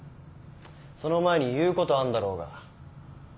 その前に言うことあんだろうが。